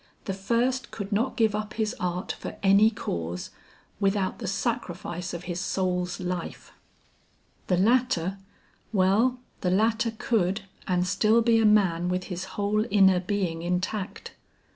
The first could not give up his art for any cause, without the sacrifice of his soul's life; the latter well the latter could and still be a man with his whole inner being intact.